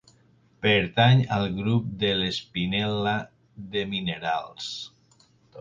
Pertany al grup de l'espinel·la de minerals.